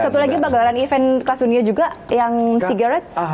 satu lagi mbak gelaran event kelas dunia juga yang cigarette